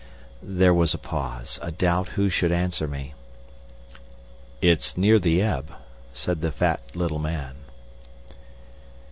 There was a pause, a doubt who should answer me. "It's near the ebb," said the fat little man.